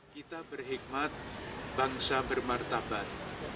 kita berkhidmat bangsa bermartabat